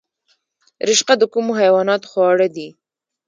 رشقه د کومو حیواناتو خواړه دي؟